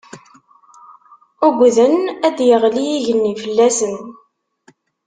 Ugden ad d-yeɣli yigenni fell-asen.